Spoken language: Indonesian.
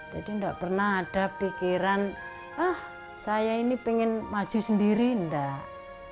jadi enggak pernah ada pikiran ah saya ini ingin maju sendiri enggak